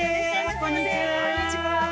こんにちは。